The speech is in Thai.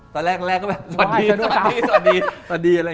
ตอนแรกก็แบบสวัสดีอะไรอย่างนี้